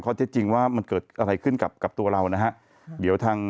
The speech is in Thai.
ข้อเท็จจริงว่ามันเกิดอะไรขึ้นกับตัวเรานะคะ